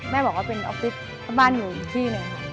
แม่บอกว่าเป็นออฟฟิศเพราะบ้านอยู่ที่นึง